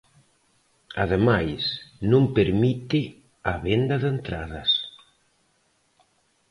Ademais, non permite a venda de entradas.